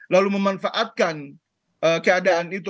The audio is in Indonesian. lalu memanfaatkan keadaan itu